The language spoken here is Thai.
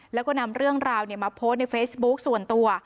แล้วก็นำเรื่องราวมาโพสต์ในเฟซบุ๊คส่วนตัว